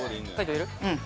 うん。